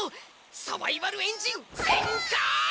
サバイバルエンジンぜんかい！